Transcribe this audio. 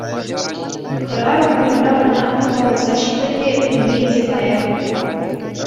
Хӗрарӑм урамра ӑна хӑваласа ҫитрӗ те килне илсе кайрӗ.